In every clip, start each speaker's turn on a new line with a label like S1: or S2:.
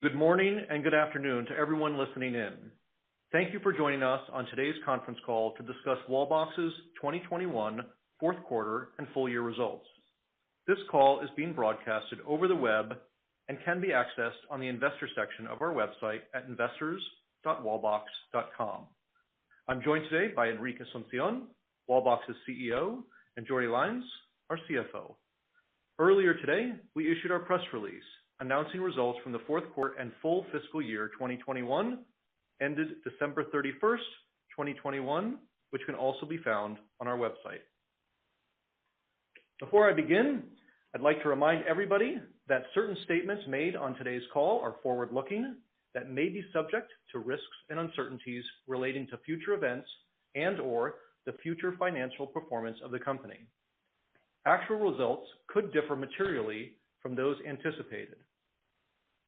S1: Good morning, and good afternoon to everyone listening in. Thank you for joining us on today's conference call to discuss Wallbox's 2021 fourth quarter and full year results. This call is being broadcasted over the web and can be accessed on the investor section of our website at investors.wallbox.com. I'm joined today by Enric Asunción, Wallbox's CEO, and Jordi Lainz, our CFO. Earlier today, we issued our press release announcing results from the fourth quarter and full fiscal year 2021, ended December 31, 2021, which can also be found on our website. Before I begin, I'd like to remind everybody that certain statements made on today's call are forward-looking, that may be subject to risks and uncertainties relating to future events and/or the future financial performance of the company. Actual results could differ materially from those anticipated.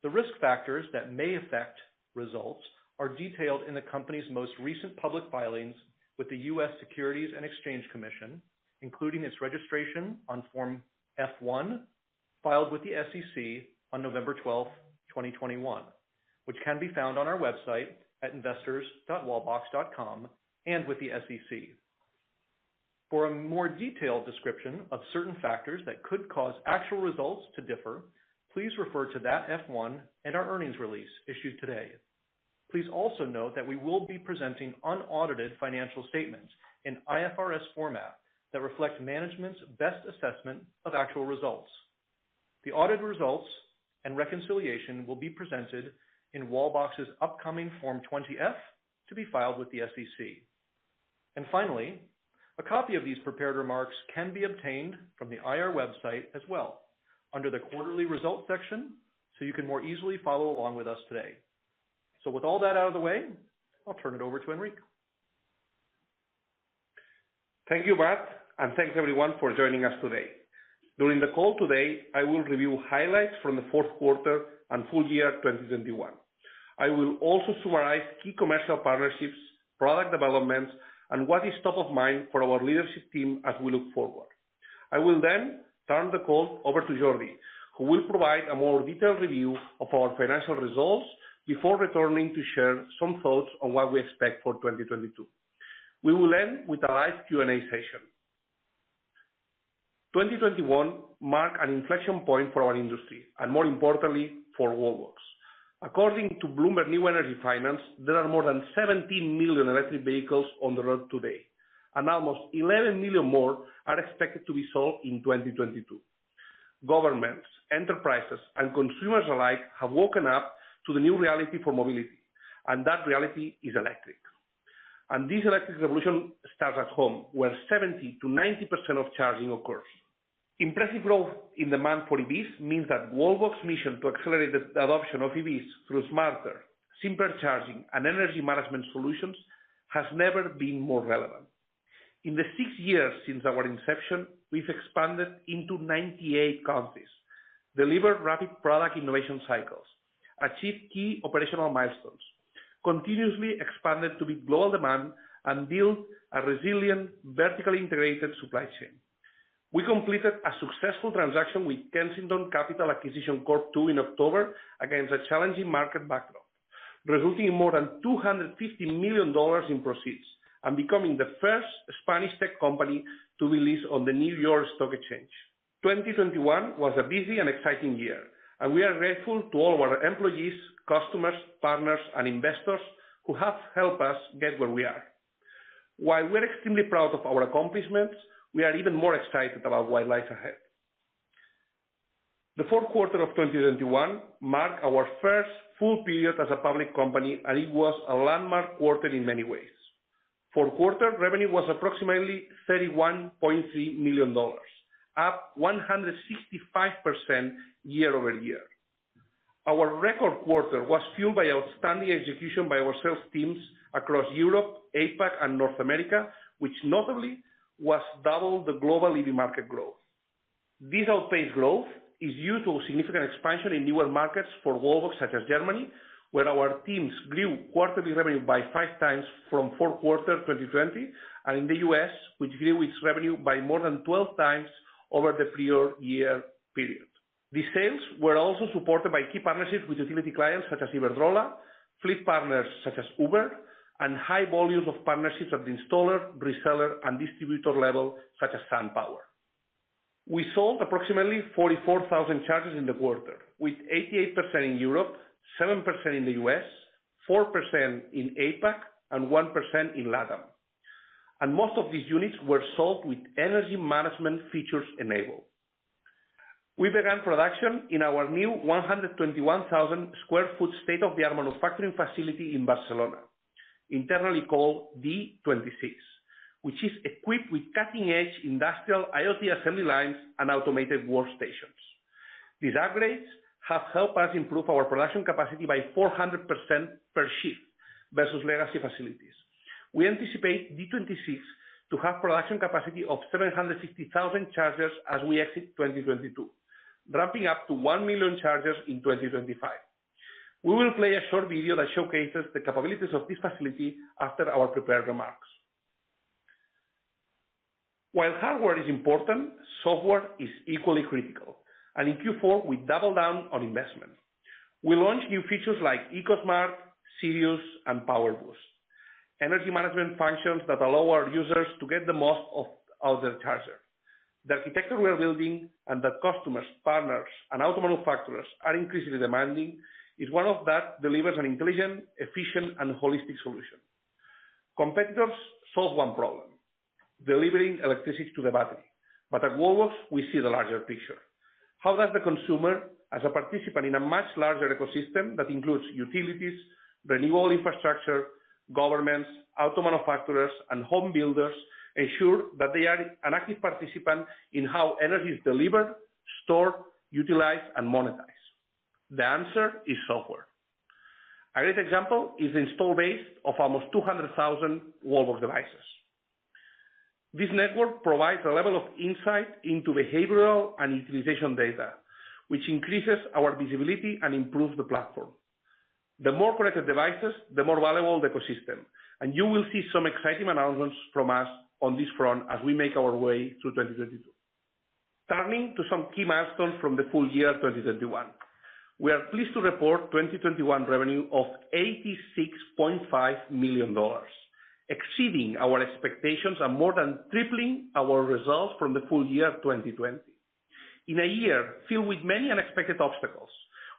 S1: The risk factors that may affect results are detailed in the company's most recent public filings with the U.S. Securities and Exchange Commission, including its registration on Form F-1 filed with the SEC on November 12, 2021, which can be found on our website at investors.wallbox.com and with the SEC. For a more detailed description of certain factors that could cause actual results to differ, please refer to that Form F-1 and our earnings release issued today. Please also note that we will be presenting unaudited financial statements in IFRS format that reflect management's best assessment of actual results. The audited results and reconciliation will be presented in Wallbox's upcoming Form 20-F to be filed with the SEC. Finally, a copy of these prepared remarks can be obtained from the IR website as well under the quarterly results section, so you can more easily follow along with us today. With all that out of the way, I'll turn it over to Enric.
S2: Thank you, Matt, and thanks everyone for joining us today. During the call today, I will review highlights from the fourth quarter and full year 2021. I will also summarize key commercial partnerships, product developments, and what is top of mind for our leadership team as we look forward. I will then turn the call over to Jordi, who will provide a more detailed review of our financial results before returning to share some thoughts on what we expect for 2022. We will end with a live Q&A session. 2021 marked an inflection point for our industry and more importantly for Wallbox. According to Bloomberg New Energy Finance, there are more than 70 million electric vehicles on the road today, and almost 11 million more are expected to be sold in 2022. Governments, enterprises and consumers alike have woken up to the new reality for mobility, and that reality is electric. This electric revolution starts at home, where 70%-90% of charging occurs. Impressive growth in demand for EVs means that Wallbox mission to accelerate the adoption of EVs through smarter, simpler charging and energy management solutions has never been more relevant. In the 6 years since our inception, we've expanded into 98 countries, delivered rapid product innovation cycles, achieved key operational milestones, continuously expanded to meet global demand, and built a resilient, vertically integrated supply chain. We completed a successful transaction with Kensington Capital Acquisition Corp. II in October against a challenging market backdrop, resulting in more than $250 million in proceeds and becoming the first Spanish tech company to be listed on the New York Stock Exchange. 2021 was a busy and exciting year, and we are grateful to all of our employees, customers, partners, and investors who have helped us get where we are. While we're extremely proud of our accomplishments, we are even more excited about what lies ahead. The fourth quarter of 2021 marked our first full period as a public company, and it was a landmark quarter in many ways. For the quarter, revenue was approximately $31.3 million, up 165% year-over-year. Our record quarter was fueled by outstanding execution by our sales teams across Europe, APAC and North America, which notably was double the global EV market growth. This outpaced growth is due to a significant expansion in newer markets for Wallbox such as Germany, where our teams grew quarterly revenue by five times from fourth quarter 2020, and in the U.S., which grew its revenue by more than 12 times over the prior year period. These sales were also supported by key partnerships with utility clients such as Iberdrola, fleet partners such as Uber, and high volumes of partnerships at the installer, reseller, and distributor level such as SunPower. We sold approximately 44,000 chargers in the quarter, with 88% in Europe, 7% in the U.S., 4% in APAC, and 1% in LATAM. Most of these units were sold with energy management features enabled. We began production in our new 121,000 sq ft state-of-the-art manufacturing facility in Barcelona, internally called D-26, which is equipped with cutting-edge industrial IoT assembly lines and automated workstations. These upgrades have helped us improve our production capacity by 400% per shift versus legacy facilities. We anticipate D-26 to have production capacity of 760,000 chargers as we exit 2022, ramping up to 1 million chargers in 2025. We will play a short video that showcases the capabilities of this facility after our prepared remarks. While hardware is important, software is equally critical. In Q4, we doubled down on investment. We launched new features like Eco-Smart, Sirius, and Power Boost, energy management functions that allow our users to get the most out of the charger. The architecture we are building and that customers, partners, and auto manufacturers are increasingly demanding is one that delivers an intelligent, efficient, and holistic solution. Competitors solve one problem, delivering electricity to the battery. But at Wallbox, we see the larger picture. How does the consumer, as a participant in a much larger ecosystem that includes utilities, renewable infrastructure, governments, auto manufacturers, and home builders, ensure that they are an active participant in how energy is delivered, stored, utilized, and monetized? The answer is software. A great example is installed base of almost 200,000 Wallbox devices. This network provides a level of insight into behavioral and utilization data, which increases our visibility and improves the platform. The more connected devices, the more valuable the ecosystem. You will see some exciting announcements from us on this front as we make our way through 2022. Turning to some key milestones from the full year 2021. We are pleased to report 2021 revenue of $86.5 million, exceeding our expectations and more than tripling our results from the full year 2020. In a year filled with many unexpected obstacles,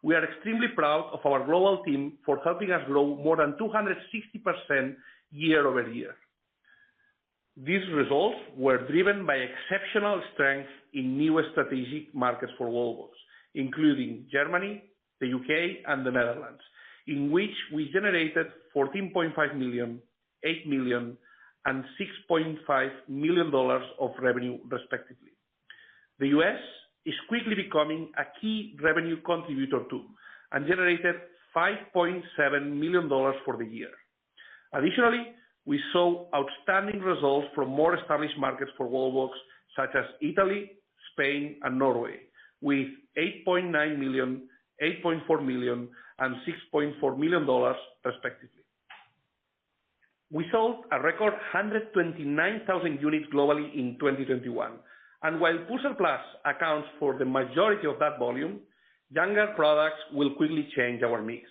S2: we are extremely proud of our global team for helping us grow more than 260% year-over-year. These results were driven by exceptional strength in new strategic markets for Wallbox, including Germany, the U.K., and the Netherlands, in which we generated $14.5 million, $8 million, and $6.5 million of revenue respectively. The U.S. is quickly becoming a key revenue contributor too, and generated $5.7 million for the year. Additionally, we saw outstanding results from more established markets for Wallbox, such as Italy, Spain, and Norway, with $8.9 million, $8.4 million, and $6.4 million respectively. We sold a record 129,000 units globally in 2021. While Pulsar Plus accounts for the majority of that volume, younger products will quickly change our mix.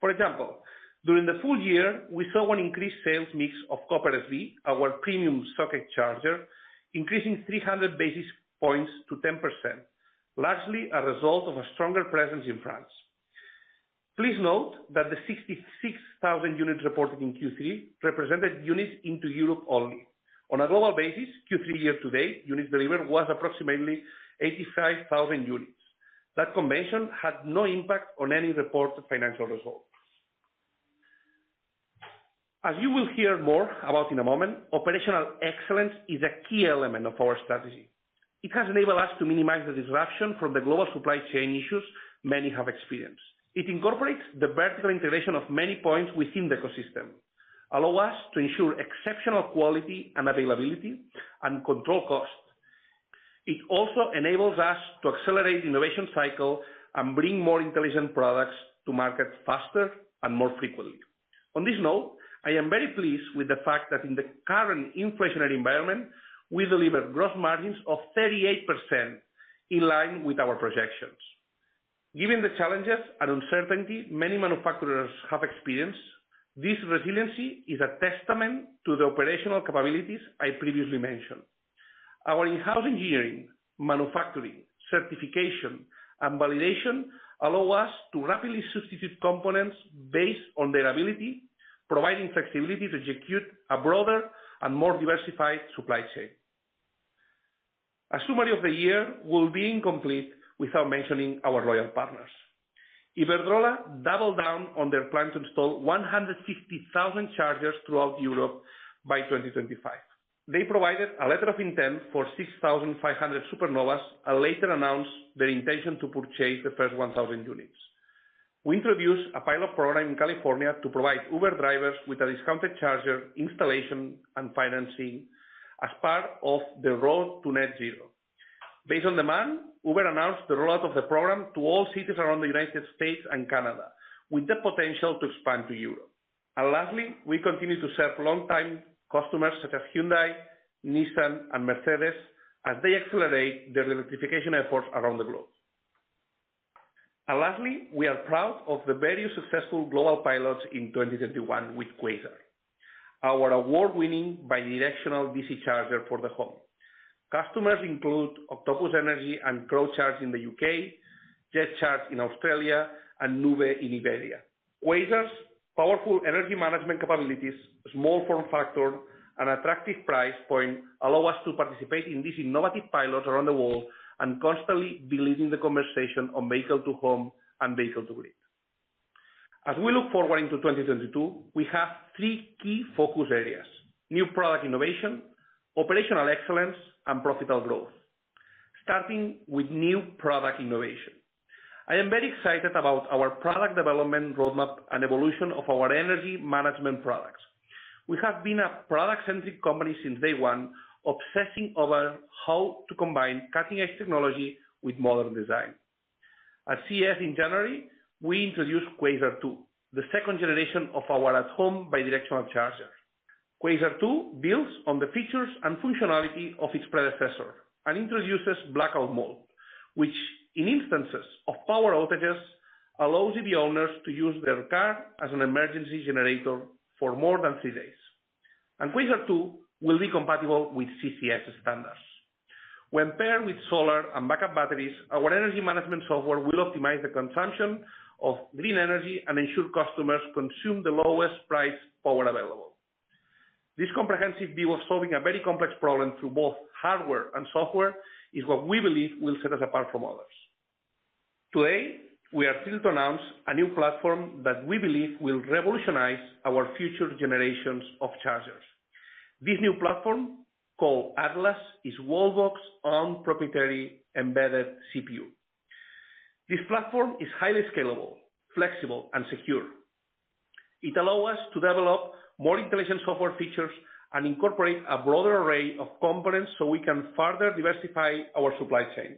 S2: For example, during the full year, we saw an increased sales mix of Copper SB, our premium socket charger, increasing 300 basis points to 10%, largely a result of a stronger presence in France. Please note that the 66,000 units reported in Q3 represented units into Europe only. On a global basis, Q3 year to date, units delivered was approximately 85,000 units. That combination had no impact on any reported financial results. As you will hear more about in a moment, operational excellence is a key element of our strategy. It has enabled us to minimize the disruption from the global supply chain issues many have experienced. It incorporates the vertical integration of many points within the ecosystem, allow us to ensure exceptional quality and availability, and control costs. It also enables us to accelerate innovation cycle and bring more intelligent products to market faster and more frequently. On this note, I am very pleased with the fact that in the current inflationary environment, we delivered gross margins of 38% in line with our projections. Given the challenges and uncertainty many manufacturers have experienced, this resiliency is a testament to the operational capabilities I previously mentioned. Our in-house engineering, manufacturing, certification, and validation allow us to rapidly substitute components based on their ability, providing flexibility to execute a broader and more diversified supply chain. A summary of the year will be incomplete without mentioning our loyal partners. Iberdrola doubled down on their plan to install 150,000 chargers throughout Europe by 2025. They provided a letter of intent for 6,500 Supernovas, and later announced their intention to purchase the first 1,000 units. We introduced a pilot program in California to provide Uber drivers with a discounted charger installation and financing as part of the road to net zero. Based on demand, Uber announced the rollout of the program to all cities around the United States and Canada, with the potential to expand to Europe. Lastly, we continue to serve longtime customers such as Hyundai, Nissan, and Mercedes as they accelerate their electrification efforts around the globe. Lastly, we are proud of the very successful global pilots in 2021 with Quasar, our award-winning bidirectional DC charger for the home. Customers include Octopus Energy and ProCharge in the U.K., Jet Charge in Australia, and Nuvve in Iberia. Quasar's powerful energy management capabilities, small form factor, and attractive price point allow us to participate in these innovative pilots around the world and constantly be leading the conversation on vehicle-to-home and vehicle-to-grid. As we look forward into 2022, we have three key focus areas, new product innovation, operational excellence, and profitable growth. Starting with new product innovation. I am very excited about our product development roadmap and evolution of our energy management products. We have been a product-centric company since day one, obsessing over how to combine cutting-edge technology with modern design. At CES in January, we introduced Quasar 2, the second generation of our at-home bidirectional charger. Quasar 2 builds on the features and functionality of its predecessor and introduces blackout mode, which in instances of power outages, allows EV owners to use their car as an emergency generator for more than three days. Quasar 2 will be compatible with CCS standards. When paired with solar and backup batteries, our energy management software will optimize the consumption of green energy and ensure customers consume the lowest price power available. This comprehensive view of solving a very complex problem through both hardware and software is what we believe will set us apart from others. Today, we are thrilled to announce a new platform that we believe will revolutionize our future generations of chargers. This new platform, called Atlas, is Wallbox's own proprietary embedded CPU. This platform is highly scalable, flexible, and secure. It allows us to develop more intelligent software features and incorporate a broader array of components so we can further diversify our supply chain.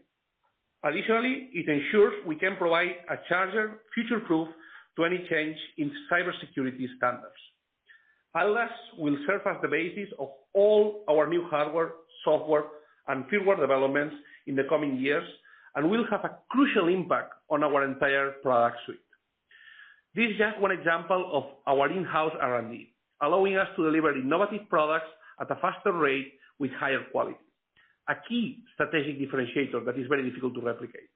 S2: Additionally, it ensures we can provide a future-proof charger against any change in cybersecurity standards. Atlas will serve as the basis of all our new hardware, software, and firmware developments in the coming years and will have a crucial impact on our entire product suite. This is just one example of our in-house R&D, allowing us to deliver innovative products at a faster rate with higher quality, a key strategic differentiator that is very difficult to replicate.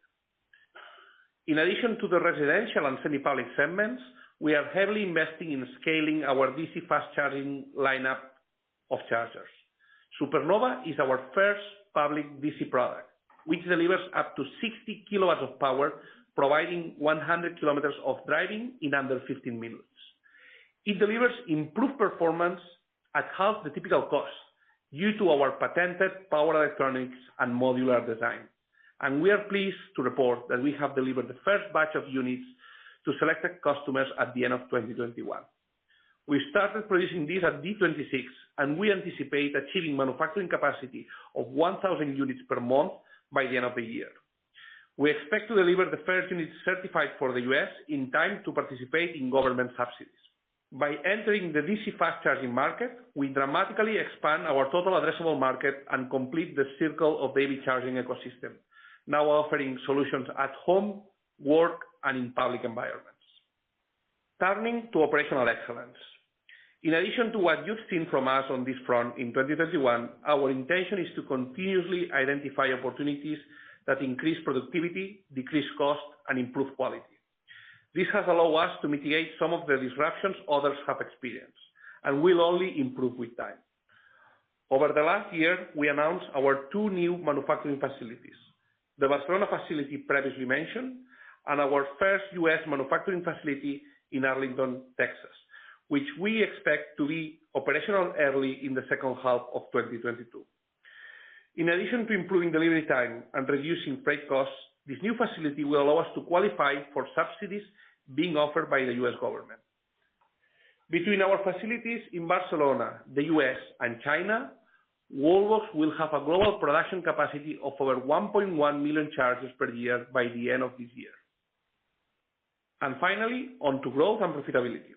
S2: In addition to the residential and semi-public segments, we are heavily investing in scaling our DC fast charging lineup of chargers. Supernova is our first public DC product, which delivers up to 60 kW of power, providing 100 km of driving in under 15 minutes. It delivers improved performance at half the typical cost due to our patented power electronics and modular design. We are pleased to report that we have delivered the first batch of units to selected customers at the end of 2021. We started producing these at D26, and we anticipate achieving manufacturing capacity of 1,000 units per month by the end of the year. We expect to deliver the first units certified for the U.S. in time to participate in government subsidies. By entering the DC fast charging market, we dramatically expand our total addressable market and complete the circle of EV charging ecosystem, now offering solutions at home, work, and in public environments. Turning to operational excellence. In addition to what you've seen from us on this front in 2021, our intention is to continuously identify opportunities that increase productivity, decrease cost, and improve quality. This has allowed us to mitigate some of the disruptions others have experienced and will only improve with time. Over the last year, we announced our two new manufacturing facilities, the Barcelona facility previously mentioned, and our first U.S. manufacturing facility in Arlington, Texas, which we expect to be operational early in the second half of 2022. In addition to improving delivery time and reducing freight costs, this new facility will allow us to qualify for subsidies being offered by the U.S. government. Between our facilities in Barcelona, the U.S., and China, Wallbox will have a global production capacity of over 1.1 million chargers per year by the end of this year. Finally, onto growth and profitability.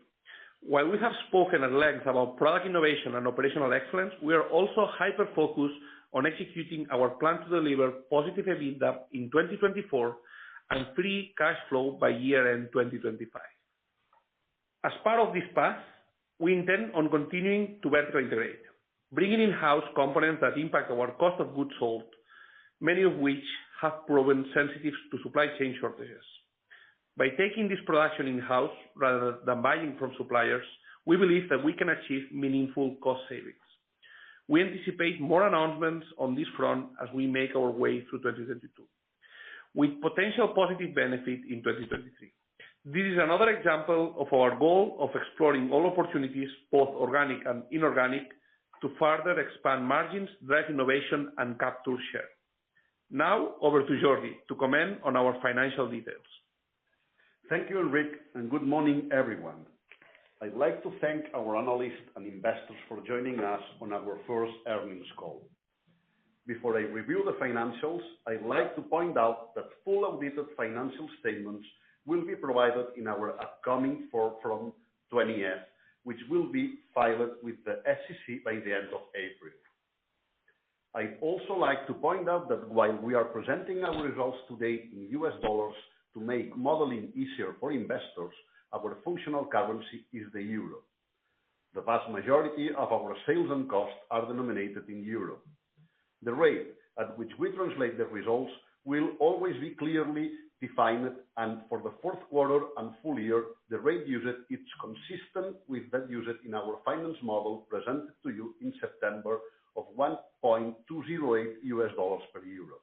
S2: While we have spoken at length about product innovation and operational excellence, we are also hyper-focused on executing our plan to deliver positive EBITDA in 2024 and free cash flow by year-end 2025. As part of this path, we intend on continuing to vertically integrate, bringing in-house components that impact our cost of goods sold, many of which have proven sensitive to supply chain shortages. By taking this production in-house rather than buying from suppliers, we believe that we can achieve meaningful cost savings. We anticipate more announcements on this front as we make our way through 2022 with potential positive benefit in 2023. This is another example of our goal of exploring all opportunities, both organic and inorganic, to further expand margins, drive innovation, and capture share. Now over to Jordi to comment on our financial details.
S3: Thank you, Enric, and good morning, everyone. I'd like to thank our analysts and investors for joining us on our first earnings call. Before I review the financials, I'd like to point out that full-audit financial statements will be provided in our upcoming Form 20-F, which will be filed with the SEC by the end of April. I'd also like to point out that while we are presenting our results today in US dollars to make modeling easier for investors, our functional currency is the euro. The vast majority of our sales and costs are denominated in euro. The rate at which we translate the results will always be clearly defined, and for the fourth quarter and full year, the rate used is consistent with that used in our finance model presented to you in September of $1.208 per euro.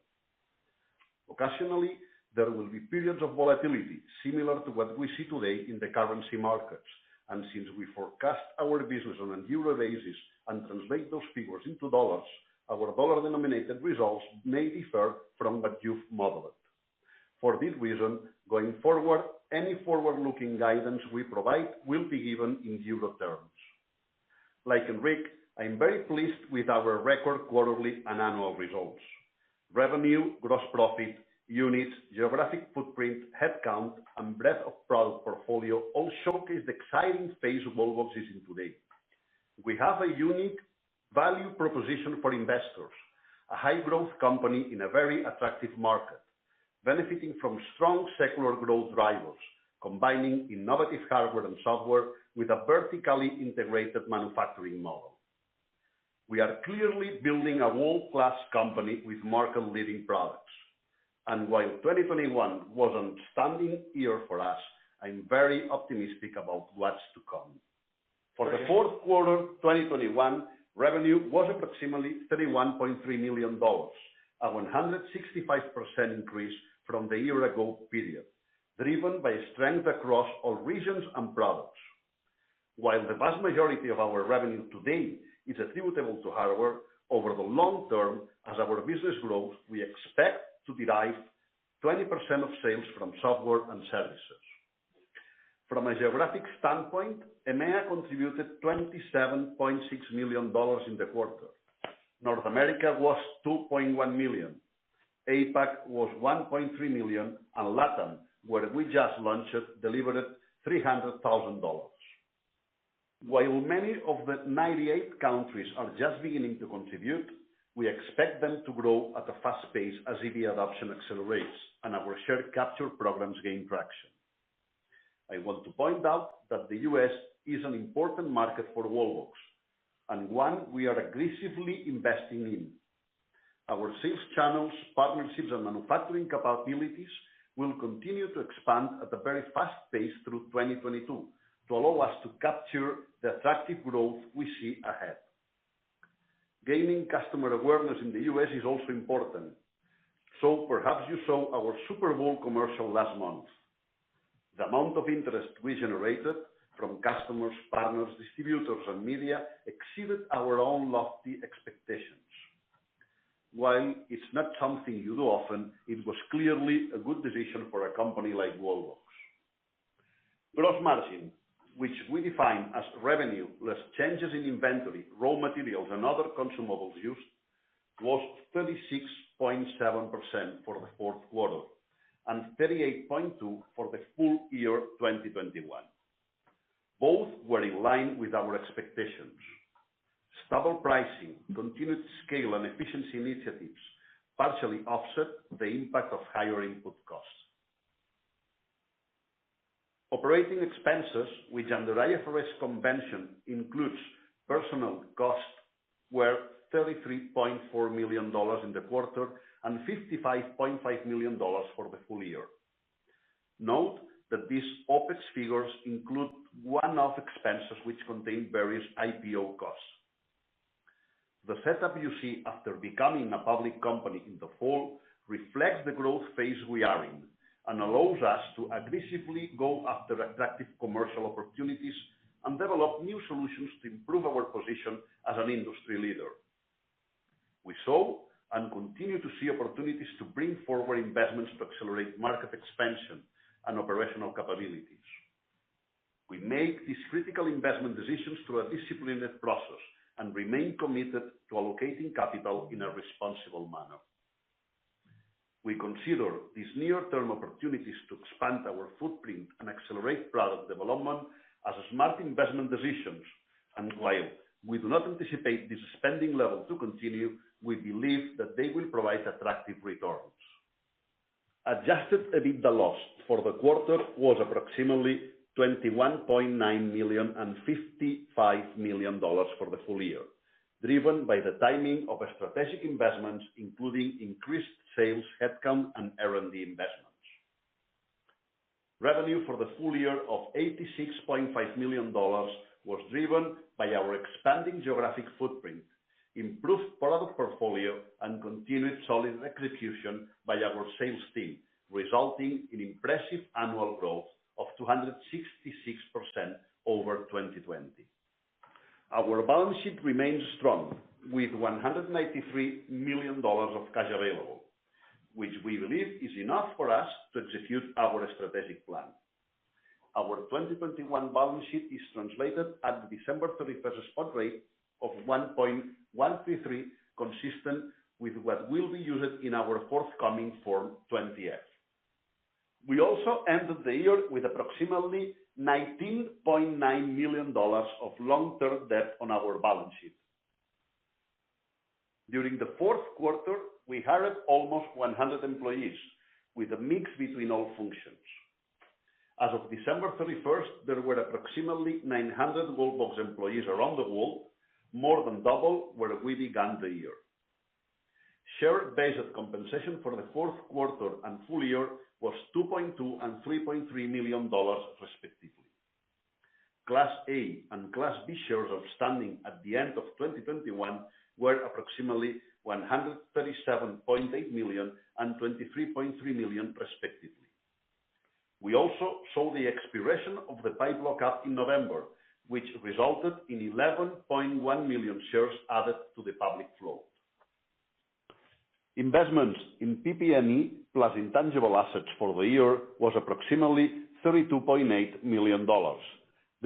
S3: Occasionally, there will be periods of volatility similar to what we see today in the currency markets. Since we forecast our business on a euro basis and translate those figures into dollars, our dollar-denominated results may differ from what you've modeled. For this reason, going forward, any forward-looking guidance we provide will be given in euro terms. Like Enric, I'm very pleased with our record quarterly and annual results. Revenue, gross profit, units, geographic footprint, head count, and breadth of product portfolio all showcase the exciting space Wallbox is in today. We have a unique value proposition for investors, a high growth company in a very attractive market, benefiting from strong secular growth drivers, combining innovative hardware and software with a vertically integrated manufacturing model. We are clearly building a world-class company with market-leading products. While 2021 was an outstanding year for us, I'm very optimistic about what's to come. For the fourth quarter 2021, revenue was approximately $31.3 million, a 165% increase from the year ago period, driven by strength across all regions and products. While the vast majority of our revenue today is attributable to hardware, over the long term, as our business grows, we expect to derive 20% of sales from software and services. From a geographic standpoint, EMEA contributed $27.6 million in the quarter. North America was $2.1 million. APAC was $1.3 million, and LATAM, where we just launched, delivered $300,000. While many of the 98 countries are just beginning to contribute, we expect them to grow at a fast pace as EV adoption accelerates and our share capture programs gain traction. I want to point out that the U.S. is an important market for Wallbox, and one we are aggressively investing in. Our sales channels, partnerships, and manufacturing capabilities will continue to expand at a very fast pace through 2022 to allow us to capture the attractive growth we see ahead. Gaining customer awareness in the U.S. is also important. Perhaps you saw our Super Bowl commercial last month. The amount of interest we generated from customers, partners, distributors, and media exceeded our own lofty expectations. While it's not something you do often, it was clearly a good decision for a company like Wallbox. Gross margin, which we define as revenue less changes in inventory, raw materials, and other consumables used, was 36.7% for the fourth quarter and 38.2% for the full year of 2021. Both were in line with our expectations. Stable pricing, continued scale and efficiency initiatives partially offset the impact of higher input costs. Operating expenses, which under IFRS convention includes personal costs, were $33.4 million in the quarter and $55.5 million for the full year. Note that these OPEX figures include one-off expenses which contain various IPO costs. The setup you see after becoming a public company in the fall reflects the growth phase we are in and allows us to aggressively go after attractive commercial opportunities and develop new solutions to improve our position as an industry leader. We saw and continue to see opportunities to bring forward investments to accelerate market expansion and operational capabilities. We make these critical investment decisions through a disciplined process and remain committed to allocating capital in a responsible manner. We consider these near-term opportunities to expand our footprint and accelerate product development as smart investment decisions. While we do not anticipate this spending level to continue, we believe that they will provide attractive returns. Adjusted EBITDA loss for the quarter was approximately $21.9 million and $55 million for the full year, driven by the timing of strategic investments, including increased sales, headcount, and R&D investments. Revenue for the full year of $86.5 million was driven by our expanding geographic footprint, improved product portfolio, and continued solid execution by our sales team, resulting in impressive annual growth of 266% over 2020. Our balance sheet remains strong with $183 million of cash available, which we believe is enough for us to execute our strategic plan. Our 2021 balance sheet is translated at December 31 spot rate of 1.133, consistent with what will be used in our forthcoming Form 20-F. We also ended the year with approximately $19.9 million of long-term debt on our balance sheet. During the fourth quarter, we hired almost 100 employees with a mix between all functions. As of December 31, there were approximately 900 Wallbox employees around the world, more than double where we began the year. Share-based compensation for the fourth quarter and full year was $2.2 million and $3.3 million, respectively. Class A and Class B shares outstanding at the end of 2021 were approximately 137.8 million and 23.3 million, respectively. We also saw the expiration of the PIPE lock-up in November, which resulted in 11.1 million shares added to the public float. Investments in PP&E plus intangible assets for the year was approximately $32.8 million,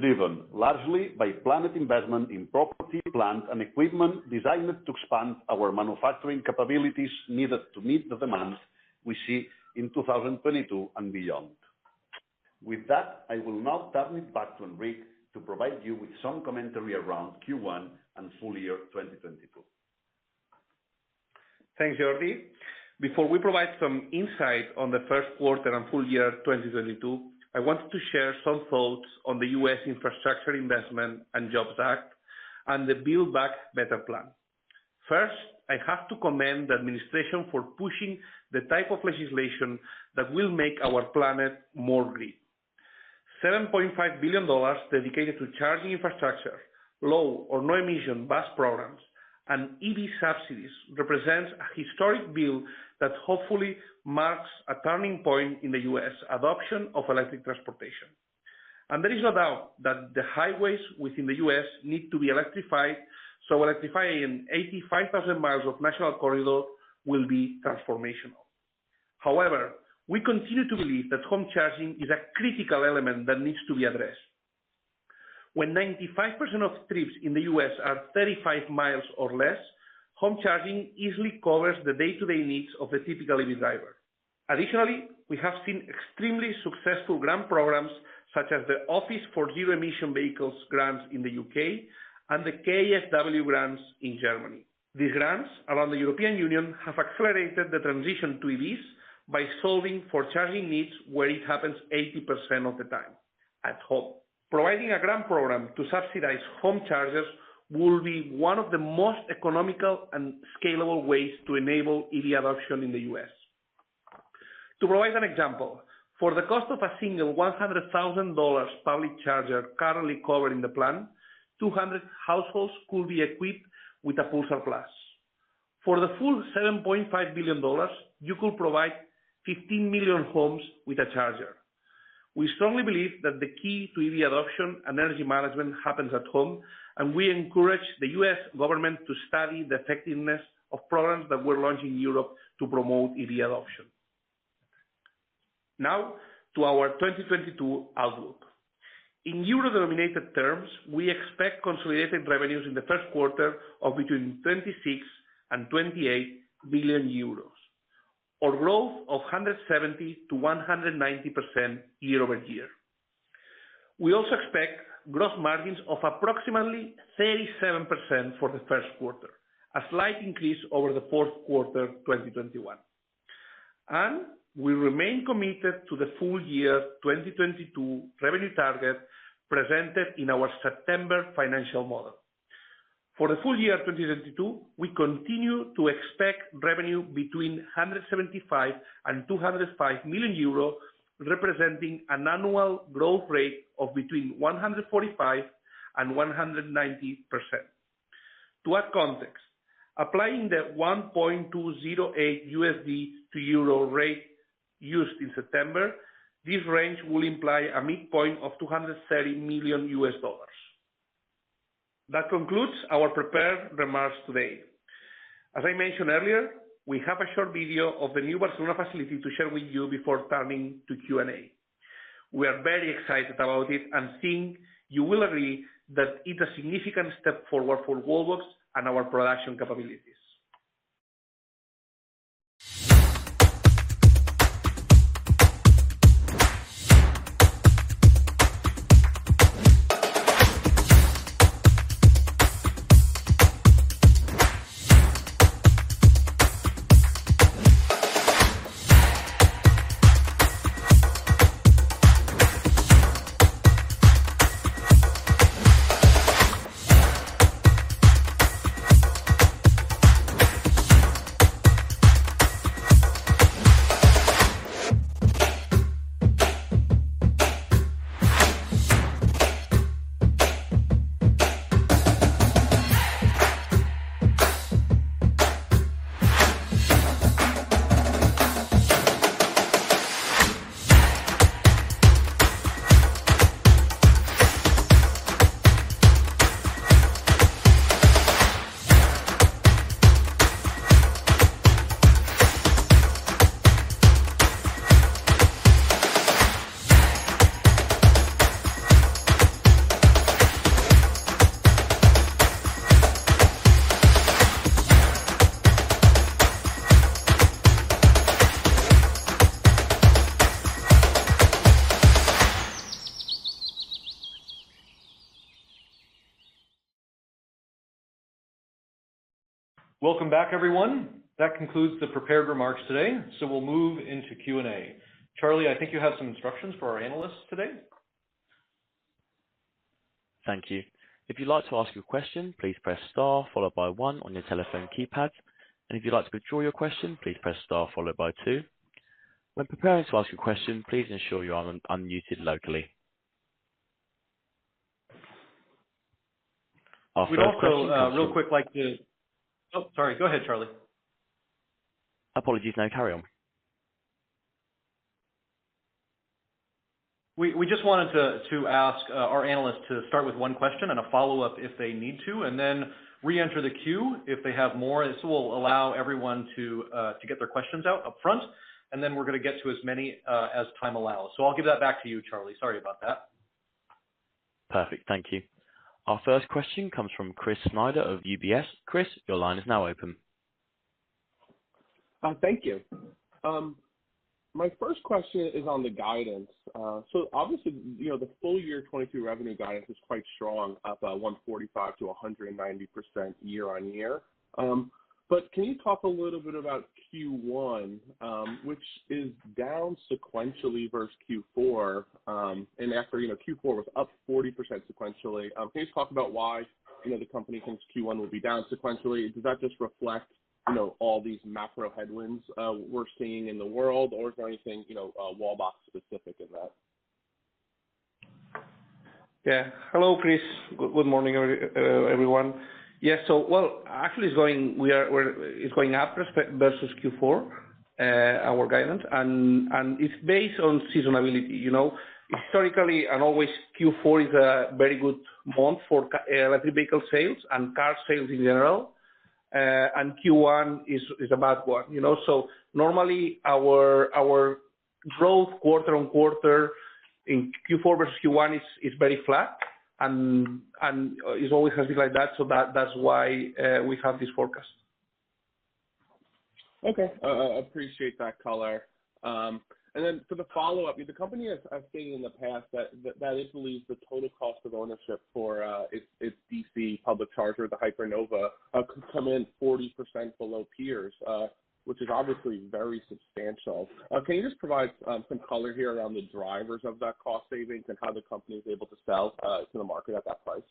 S3: driven largely by planned investment in property, plant, and equipment designed to expand our manufacturing capabilities needed to meet the demands we see in 2022 and beyond. With that, I will now turn it back to Enric to provide you with some commentary around Q1 and full year 2022.
S2: Thanks, Jordi. Before we provide some insight on the first quarter and full year 2022, I want to share some thoughts on the U.S. Infrastructure Investment and Jobs Act and the Build Back Better plan. First, I have to commend the administration for pushing the type of legislation that will make our planet more green. $7.5 billion dedicated to charging infrastructure, low or no emission bus programs, and EV subsidies represents a historic bill that hopefully marks a turning point in the U.S. adoption of electric transportation. There is no doubt that the highways within the U.S. need to be electrified, so electrifying 85,000 miles of national corridor will be transformational. However, we continue to believe that home charging is a critical element that needs to be addressed. When 95% of trips in the U.S. are 35 miles or less, home charging easily covers the day-to-day needs of the typical EV driver. Additionally, we have seen extremely successful grant programs such as the Office for Zero Emission Vehicles grants in the U.K. and the KfW grants in Germany. These grants around the European Union have accelerated the transition to EVs by solving for charging needs where it happens 80% of the time, at home. Providing a grant program to subsidize home chargers will be one of the most economical and scalable ways to enable EV adoption in the U.S. To provide an example, for the cost of a single $100,000 public charger currently covered in the plan, 200 households could be equipped with a Pulsar Plus. For the full $7.5 billion, you could provide 15 million homes with a charger. We strongly believe that the key to EV adoption and energy management happens at home, and we encourage the U.S. government to study the effectiveness of programs that were launched in Europe to promote EV adoption. Now to our 2022 outlook. In euro-denominated terms, we expect consolidated revenues in the first quarter of between 26 billion and 28 billion euros, or growth of 170%-190% year-over-year. We also expect gross margins of approximately 37% for the first quarter, a slight increase over the fourth quarter, 2021. We remain committed to the full year 2022 revenue target presented in our September financial model. For the full year 2022, we continue to expect revenue between 175 million and 205 million euros, representing an annual growth rate of between 145% and 190%. To add context, applying the 1.208 USD to euro rate used in September, this range will imply a midpoint of $230 million. That concludes our prepared remarks today. As I mentioned earlier, we have a short video of the new Barcelona facility to share with you before turning to Q&A. We are very excited about it and think you will agree that it's a significant step forward for Wallbox and our production capabilities.
S1: Welcome back, everyone. That concludes the prepared remarks today, so we'll move into Q&A. Charlie, I think you have some instructions for our analysts today.
S4: Thank you. If you'd like to ask your question, please press star followed by one on your telephone keypad. And if you'd like to withdraw your question, please press star followed by two. When preparing to ask your question, please ensure you aren't un-unmuted locally. Our first question comes from-
S1: Oh, sorry. Go ahead, Charlie.
S4: Apologies. No, carry on.
S1: We just wanted to ask our analysts to start with one question and a follow-up if they need to, and then reenter the queue if they have more. This will allow everyone to get their questions out upfront, and then we're gonna get to as many as time allows. I'll give that back to you, Charlie. Sorry about that.
S4: Perfect. Thank you. Our first question comes from Chris Snyder of UBS. Chris, your line is now open.
S5: Thank you. My first question is on the guidance. So obviously, you know, the full year 2022 revenue guidance is quite strong, up 145%-190% year-over-year. But can you talk a little bit about Q1, which is down sequentially versus Q4, and after, you know, Q4 was up 40% sequentially. Can you just talk about why, you know, the company thinks Q1 will be down sequentially? Does that just reflect, you know, all these macro headwinds we're seeing in the world or is there anything, you know, Wallbox specific in that?
S2: Yeah. Hello, Chris. Good morning, everyone. Actually, it's going up versus Q4, our guidance, and it's based on seasonality. You know, historically and always, Q4 is a very good month for electric vehicle sales and car sales in general. Q1 is a bad one, you know. Normally, our growth quarter on quarter in Q4 versus Q1 is very flat, and it's always has been like that, so that's why we have this forecast.
S5: Okay. Appreciate that color. For the follow-up, the company has stated in the past that it believes the total cost of ownership for its DC public charger, the Hypernova, could come in 40% below peers, which is obviously very substantial. Can you just provide some color here around the drivers of that cost savings and how the company is able to sell to the market at that price?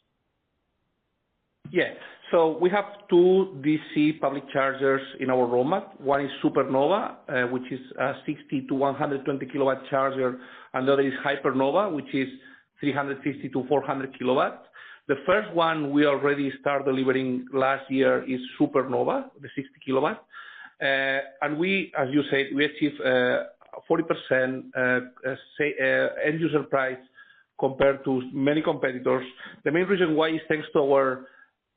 S2: Yeah. We have two DC public chargers in our roadmap. One is Supernova, which is a 60 kW-120 kW charger, another is Hypernova, which is 350 kW-400 kW. The first one we already start delivering last year is Supernova, the 60 kW. And we, as you said, achieve 40%, say, end user price compared to many competitors. The main reason why is thanks to our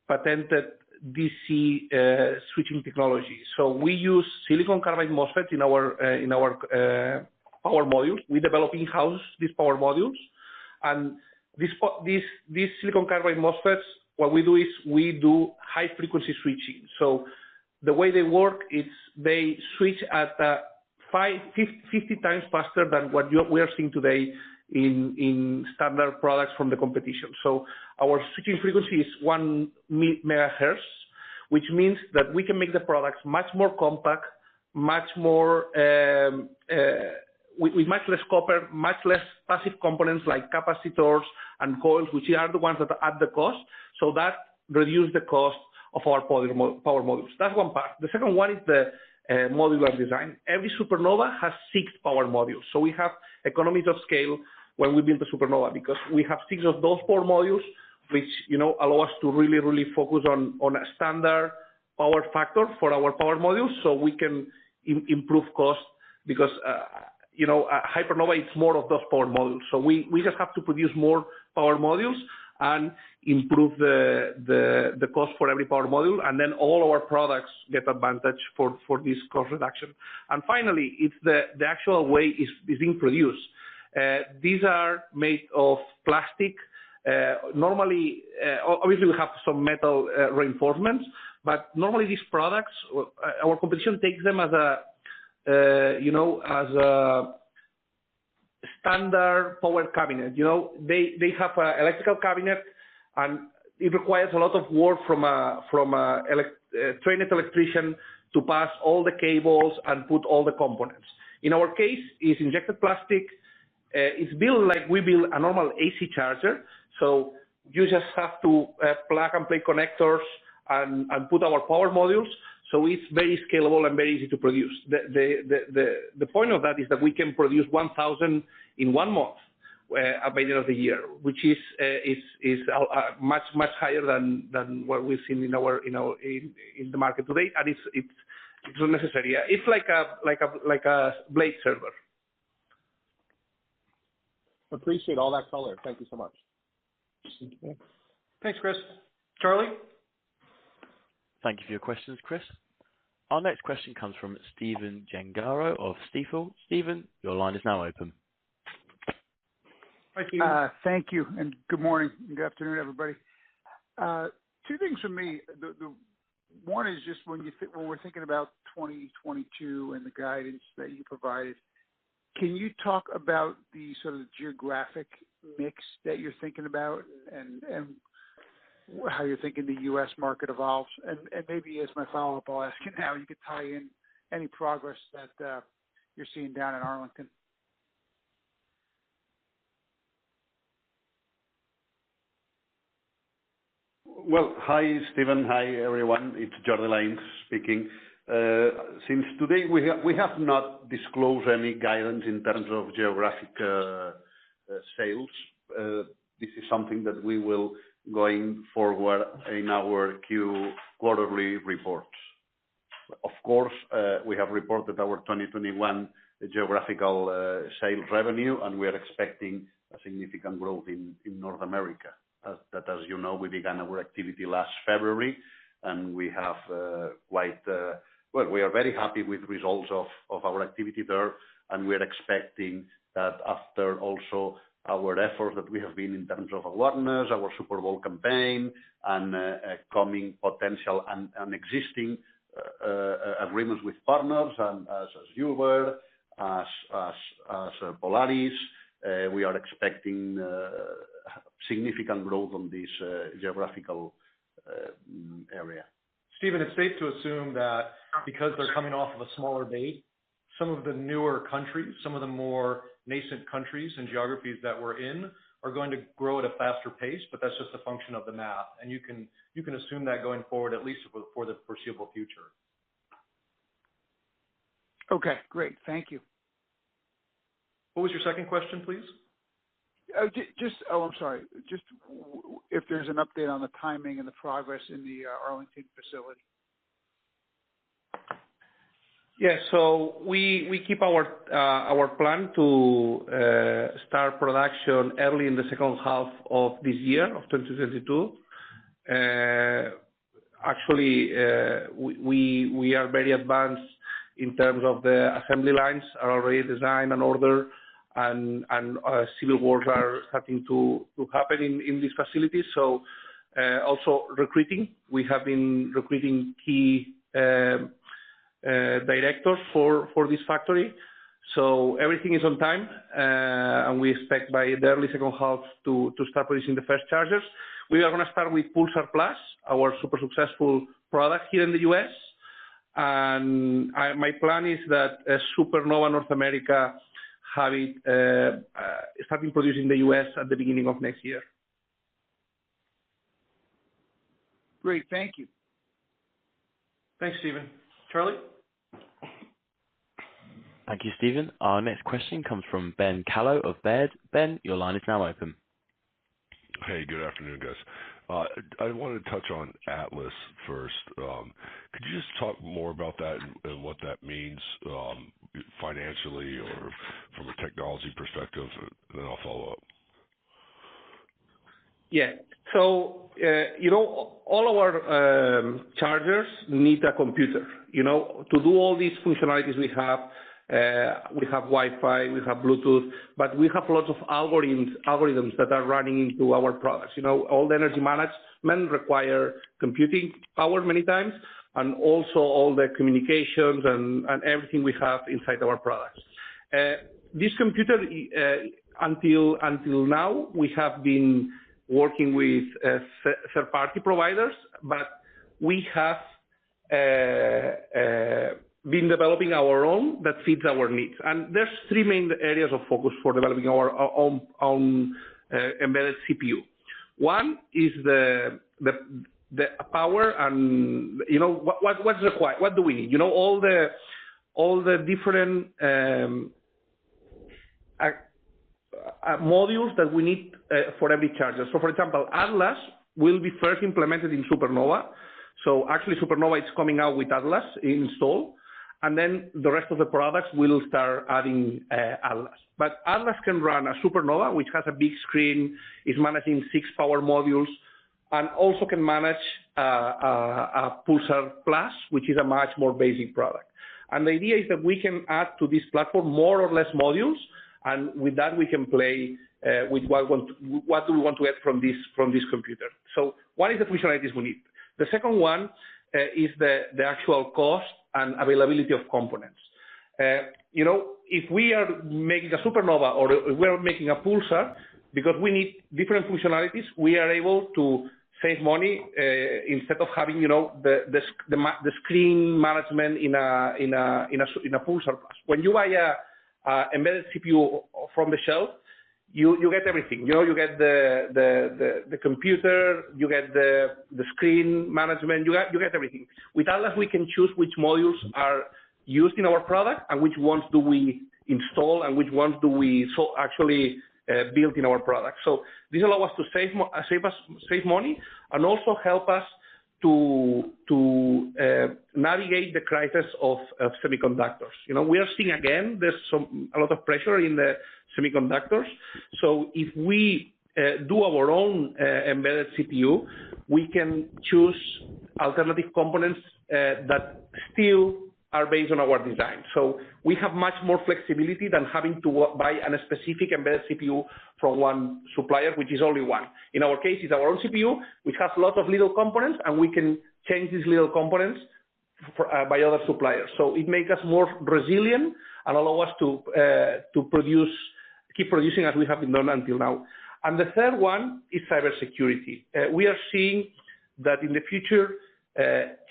S2: patented DC switching technology. We use silicon carbide MOSFET in our power modules. We develop in-house these power modules. These silicon carbide MOSFETs, what we do is we do high frequency switching. The way they work is they switch at 50 times faster than what we are seeing today in standard products from the competition. Our switching frequency is 1 MHz, which means that we can make the products much more compact with much less copper, much less passive components like capacitors and coils, which are the ones that add the cost. That reduce the cost of our power modules. That's one part. The second one is the modular design. Every Supernova has six power modules. We have economies of scale when we build the Supernova because we have six of those power modules, which allow us to really focus on a standard power factor for our power modules so we can improve cost because Hypernova is more of those power modules. We just have to produce more power modules and improve the cost for every power module, and then all our products get advantage for this cost reduction. Finally, it's the actual way it's being produced. These are made of plastic. Obviously we have some metal reinforcements, but normally these products, our competition takes them as a standard power cabinet. You know, they have an electrical cabinet, and it requires a lot of work from a trained electrician to pass all the cables and put all the components. In our case, it's injected plastic. It's built like we build a normal AC charger. You just have to plug and play connectors and put our power modules, so it's very scalable and very easy to produce. The point of that is that we can produce 1,000 in 1 month by the end of the year, which is much higher than what we've seen in our, you know, in the market today. It's necessary. It's like a blade server.
S5: Appreciate all that color. Thank you so much.
S2: Thank you.
S1: Thanks, Chris. Charlie?
S4: Thank you for your questions, Chris. Our next question comes from Stephen Gengaro of Stifel. Steven, your line is now open.
S6: Thank you, and good afternoon, everybody. Two things from me. One is just when we're thinking about 2022 and the guidance that you provided, can you talk about the sort of geographic mix that you're thinking about and how you're thinking the U.S. market evolves? Maybe as my follow-up, I'll ask you how you could tie in any progress that you're seeing down in Arlington.
S3: Well, hi, Stephen. Hi, everyone. It's Jordi Lainz speaking. Since today we have not disclosed any guidance in terms of geographic sales. This is something that we will going forward in our quarterly reports. Of course, we have reported our 2021 geographical sales revenue, and we are expecting a significant growth in North America. You know, we began our activity last February, and we are very happy with results of our activity there, and we are expecting that after also our efforts that we have been in terms of awareness, our Super Bowl campaign and upcoming potential and existing agreements with partners, and as Uber, as Polaris, we are expecting significant growth on this geographical area.
S1: Stephen Gengaro, it's safe to assume that because they're coming off of a smaller base, some of the newer countries, some of the more nascent countries and geographies that we're in are going to grow at a faster pace, but that's just a function of the math. You can assume that going forward, at least for the foreseeable future.
S6: Okay, great. Thank you.
S1: What was your second question, please?
S6: I'm sorry. If there's an update on the timing and the progress in the Arlington facility?
S2: Yeah. We keep our plan to start production early in the second half of this year, 2022. Actually, we are very advanced in terms of the assembly lines are already designed and ordered, and civil works are starting to happen in this facility. Also, we have been recruiting key directors for this factory. Everything is on time, and we expect by the early second half to start producing the first chargers. We are gonna start with Pulsar Plus, our super successful product here in the U.S. My plan is that Supernova North America start producing in the U.S. at the beginning of next year.
S6: Great. Thank you.
S1: Thanks, Stephen. Charlie?
S4: Thank you, Stephen. Our next question comes from Ben Kallo of Baird. Ben, your line is now open.
S7: Hey, good afternoon, guys. I wanted to touch on Atlas first. Could you just talk more about that and what that means, financially or from a technology perspective, and then I'll follow up?
S2: Yeah. You know, all our chargers need a computer. You know, to do all these functionalities we have, we have Wi-Fi, we have Bluetooth, but we have lots of algorithms that are running in our products. You know, all the energy management require computing power many times, and also all the communications and everything we have inside our products. This computer, until now, we have been working with third party providers, but we have been developing our own that fits our needs. There's three main areas of focus for developing our own embedded CPU. One is the power and, you know, what's required? What do we need? You know, all the different modules that we need for every charger. For example, Atlas will be first implemented in Supernova. Actually, Supernova is coming out with Atlas installed, and then the rest of the products will start adding Atlas. But Atlas can run on Supernova, which has a big screen, is managing six power modules, and also can manage a Pulsar Plus, which is a much more basic product. The idea is that we can add to this platform more or less modules, and with that, we can play with what we want to get from this, from this computer. One is the functionalities we need. The second one is the actual cost and availability of components. You know, if we are making a Supernova or we are making a Pulsar, because we need different functionalities, we are able to save money, instead of having, you know, the screen management in a Pulsar Plus. When you buy an embedded CPU from the shelf, you get everything. You know, you get the computer, you get the screen management. You get everything. With Atlas, we can choose which modules are used in our product and which ones do we install and which ones do we actually build in our product. So this allow us to save money and also help us to navigate the crisis of semiconductors. You know, we are seeing, again, there's a lot of pressure in the semiconductors. If we do our own embedded CPU, we can choose alternative components that still are based on our design. We have much more flexibility than having to buy a specific embedded CPU from one supplier, which is only one. In our case, it's our own CPU, which has lots of little components, and we can change these little components or by other suppliers. It makes us more resilient and allow us to keep producing as we have been doing until now. The third one is cybersecurity. We are seeing that in the future,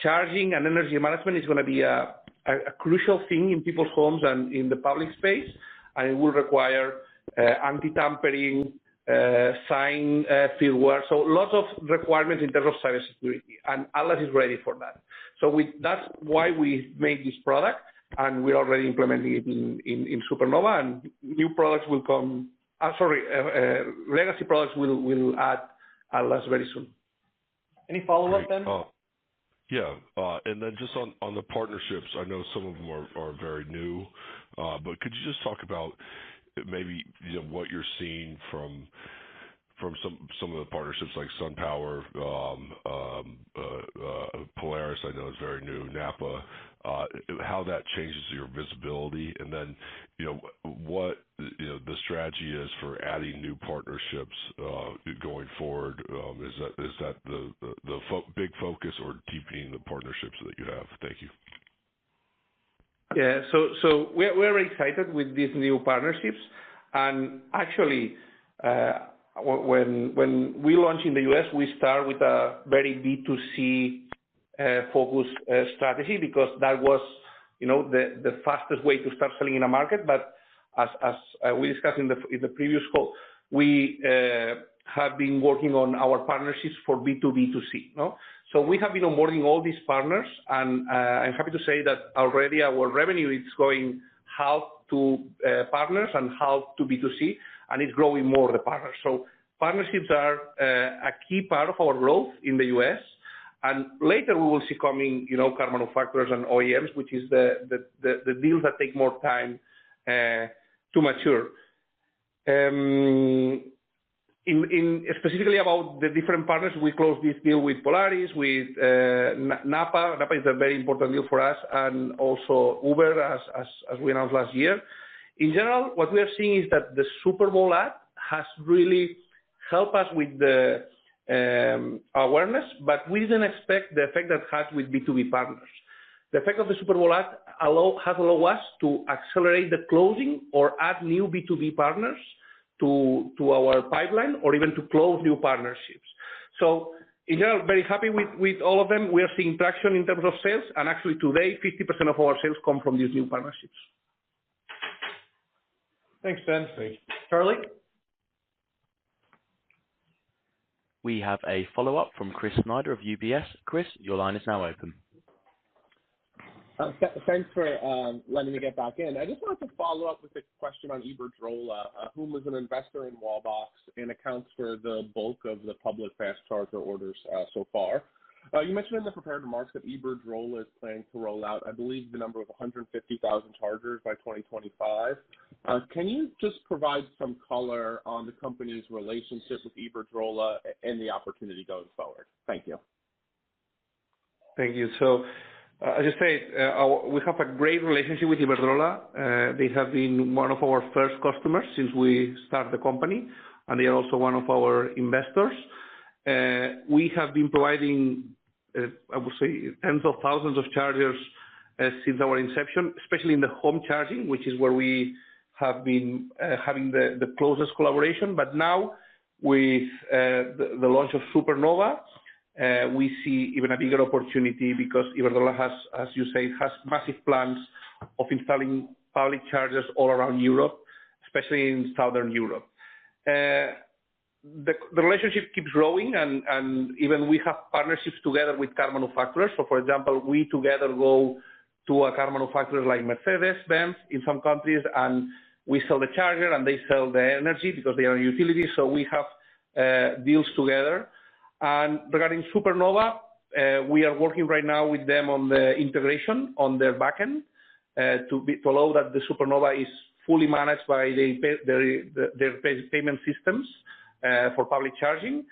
S2: charging and energy management is gonna be a crucial thing in people's homes and in the public space, and it will require anti-tampering signed firmware. Lots of requirements in terms of cybersecurity, and Atlas is ready for that. That's why we made this product, and we're already implementing it in Supernova and new products will come. Legacy products will add Atlas very soon.
S1: Any follow up, Ben?
S7: Yeah. Just on the partnerships, I know some of them are very new. Could you just talk about maybe, you know, what you're seeing from some of the partnerships like SunPower, Polaris, I know is very new. NAPA. How that changes your visibility. You know, what the strategy is for adding new partnerships going forward. Is that the big focus or deepening the partnerships that you have? Thank you.
S2: We're excited with these new partnerships. Actually, when we launched in the U.S., we start with a very B2C focused strategy because that was, you know, the fastest way to start selling in a market. As we discussed in the previous call, we have been working on our partnerships for B2B2C. No? We have been onboarding all these partners and I'm happy to say that already our revenue is growing half to partners and half to B2C, and it's growing more the partners. Partnerships are a key part of our growth in the U.S. Later we will see coming, you know, car manufacturers and OEMs, which is the deals that take more time to mature. In... Specifically about the different partners, we closed this deal with Polaris, with NAPA. NAPA is a very important deal for us, and also Uber, as we announced last year. In general, what we are seeing is that the Super Bowl ad has really helped us with the awareness, but we didn't expect the effect that it has with B2B partners. The effect of the Super Bowl ad has allowed us to accelerate the closing or add new B2B partners to our pipeline or even to close new partnerships. In general, very happy with all of them. We are seeing traction in terms of sales. Actually today, 50% of our sales come from these new partnerships.
S1: Thanks, Ben.
S7: Thanks.
S1: Charlie?
S4: We have a follow-up from Chris Snyder of UBS. Chris, your line is now open.
S5: Thanks for letting me get back in. I just wanted to follow up with a question on Iberdrola, whom was an investor in Wallbox and accounts for the bulk of the public fast charger orders so far. You mentioned in the prepared remarks that Iberdrola is planning to roll out, I believe, the number of 150,000 chargers by 2025. Can you just provide some color on the company's relationship with Iberdrola and the opportunity going forward? Thank you.
S2: Thank you. As you say, we have a great relationship with Iberdrola. They have been one of our first customers since we start the company, and they are also one of our investors. We have been providing, I would say tens of thousands of chargers, since our inception, especially in the home charging, which is where we have been having the closest collaboration. Now with the launch of Supernova, we see even a bigger opportunity because Iberdrola has, as you say, massive plans of installing public chargers all around Europe, especially in Southern Europe. The relationship keeps growing and even we have partnerships together with car manufacturers. For example, we together go to a car manufacturer like Mercedes-Benz in some countries, and we sell the charger and they sell the energy because they are a utility, so we have deals together. Regarding Supernova, we are working right now with them on the integration on their backend to allow that the Supernova is fully managed by their payment systems for public charging.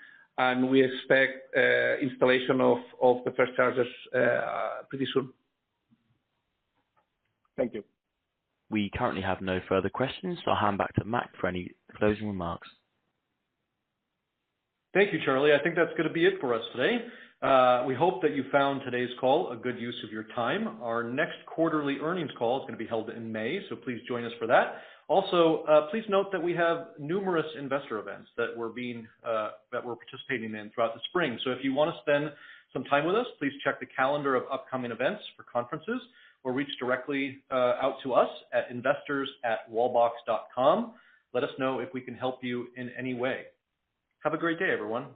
S2: We expect installation of the first chargers pretty soon.
S5: Thank you.
S4: We currently have no further questions, so I'll hand back to Matt for any closing remarks.
S1: Thank you, Charlie. I think that's gonna be it for us today. We hope that you found today's call a good use of your time. Our next quarterly earnings call is gonna be held in May, so please join us for that. Also, please note that we have numerous investor events that we're participating in throughout the spring. If you wanna spend some time with us, please check the calendar of upcoming events for conferences or reach directly out to us at investors@wallbox.com. Let us know if we can help you in any way. Have a great day, everyone.